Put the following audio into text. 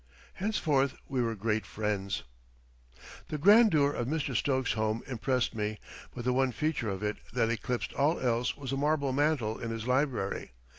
Henceforth we were great friends. The grandeur of Mr. Stokes's home impressed me, but the one feature of it that eclipsed all else was a marble mantel in his library.